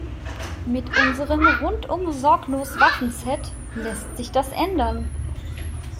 Mit unserem Rundum-Sorglos-Waffenset lässt sich das ändern.